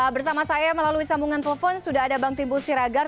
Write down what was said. bersama saya melalui sambungan telepon sudah ada bang timbul siragar